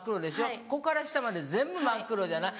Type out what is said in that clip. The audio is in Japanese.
ここから下まで全部真っ黒じゃない。